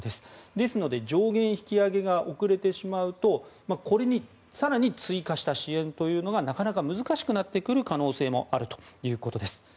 ですので上限引き上げが遅れてしまうとこれに更に追加した支援というのがなかなか難しくなってくる可能性もあるということです。